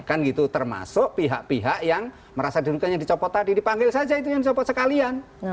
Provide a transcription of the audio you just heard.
kan gitu termasuk pihak pihak yang merasa dirugikan yang dicopot tadi dipanggil saja itu yang dicopot sekalian